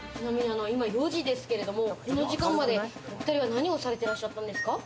今４時ですけれども、この時間まで２人は何をされてらっしゃったんですか？